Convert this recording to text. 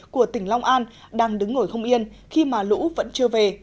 của tỉnh long an đang đứng ngồi không yên khi mà lũ vẫn chưa về